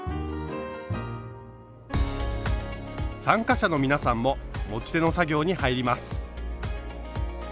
参加者の皆さんも持ち手の作業に入ります。